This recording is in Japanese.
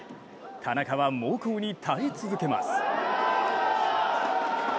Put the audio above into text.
田中は猛攻に耐え続けます。